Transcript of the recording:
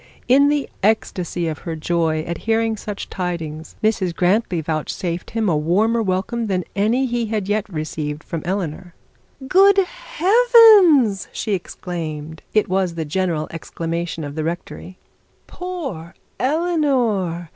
In the ecstasy of her joy at hearing such tidings, Mrs Grantly vouchsafed him a warmer welcome than any he had yet received from Eleanor. 'Good heavens!' she exclaimed it was the general exclamation of the rectory. 'Poor Eleanor!